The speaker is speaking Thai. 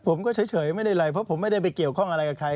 ผมก็เฉยไม่ได้อะไรเพราะผมไม่ได้ไปเกี่ยวข้องอะไรกับใคร